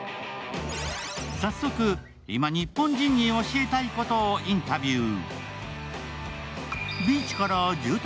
早速、今、日本人に教えたいことをインタビュー。